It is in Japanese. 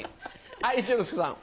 はい一之輔さん。